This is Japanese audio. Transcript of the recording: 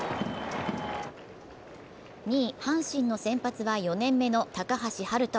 ２位・阪神の先発は４年目の高橋遥人。